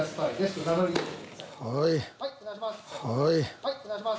はいお願いします。